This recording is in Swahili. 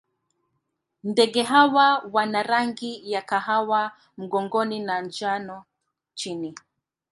Ndege hawa wana rangi ya kahawa mgongoni na njano chini.